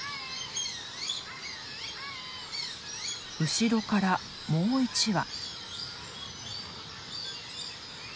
後ろからもう一羽。